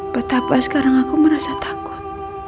betapa sekarang aku merasa takut